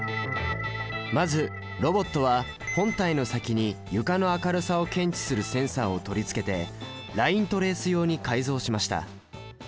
まずロボットは本体の先に床の明るさを検知するセンサを取り付けてライントレース用に改造しました。